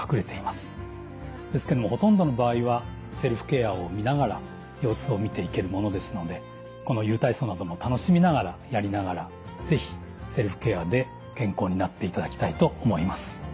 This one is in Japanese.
ですけどもほとんどの場合はセルフケアを見ながら様子を見ていけるものですのでこのゆる体操なども楽しみながらやりながら是非セルフケアで健康になっていただきたいと思います。